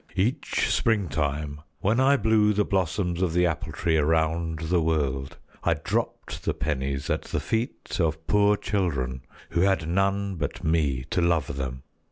"Each springtime, when I blew the blossoms of the Apple Tree around the world, I dropped the pennies at the feet of poor children who had none but me to love them.